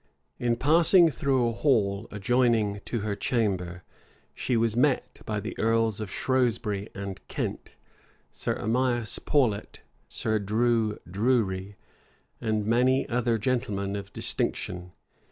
In passing through a hall adjoining to her chamber, she was met by the earls of Shrewsbury and Kent, Sir Amias Paulet, Sir Drue Drury, and many other gentlemen of distinction.